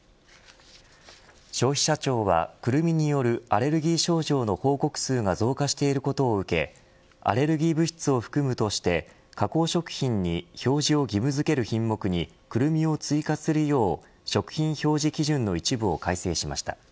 消費者庁はクルミによるアレルギー症状の報告数が増加していることを受けアレルギー物質を含むとして加工食品に表示を義務付ける品目にクルミを追加するよう食品表示基準の一部を改訂しました。